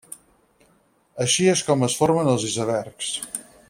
Així és com es formen els icebergs.